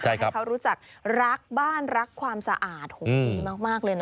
ให้เขารู้จักรักบ้านรักความสะอาดดีมากเลยนะ